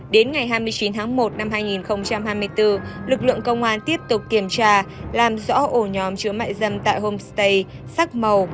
đến ngày hai mươi chín tháng một năm hai nghìn hai mươi bốn lực lượng công an tiếp tục kiểm tra làm rõ ổ nhóm chứa mại dâm tại homestay sắc màu